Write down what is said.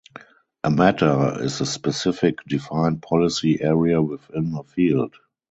A Matter is a specific defined policy area within a Field.